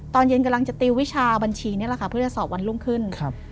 ตอนเย็นกำลังจะติววิชาบัญชีนี่แหละค่ะเพื่อจะสอบวันรุ่งขึ้น